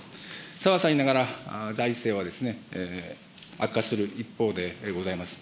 さはさりながら、財政は悪化する一方でございます。